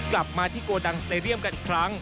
กลับมาที่โกดังสเตดียมกันครั้ง